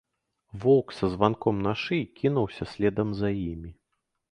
Воўк са званком на шыі кінуўся следам за імі.